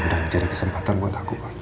udah jadi kesempatan buat aku pak